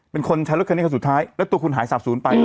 เป็นคนใช้รถคันนี้คันสุดท้ายแล้วตัวคุณหายสาบศูนย์ไป